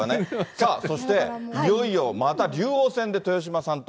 さあそして、いよいよまた竜王戦で豊島さんと。